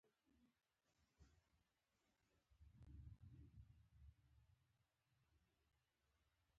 هلته له روسیې امپراطور سره ناسته ولاړه کوي.